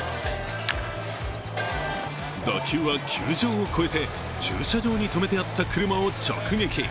打球は球場を越えて駐車場に止めてあった車を直撃。